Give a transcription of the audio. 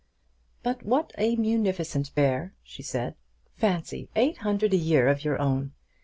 "But what a munificent bear!" she said. "Fancy; eight hundred a year of your own.